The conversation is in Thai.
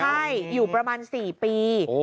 ใช่อยู่ประมาณ๔ปี